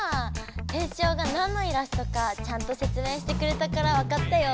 テッショウが何のイラストかちゃんとせつ明してくれたからわかったよ。